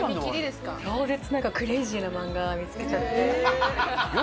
超絶クレイジーな漫画見つけちゃって。